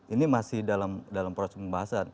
ini masih dalam proses pembahasan